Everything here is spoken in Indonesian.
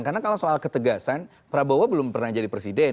karena kalau soal ketegasan prabowo belum pernah jadi presiden